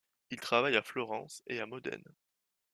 Il travaille à Florence et à Modène.